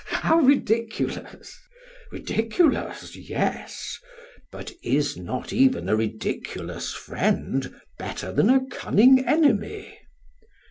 PHAEDRUS: How ridiculous! SOCRATES: Ridiculous! Yes; but is not even a ridiculous friend better than a cunning enemy?